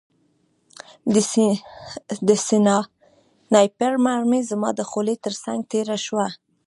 د سنایپر مرمۍ زما د خولۍ ترڅنګ تېره شوه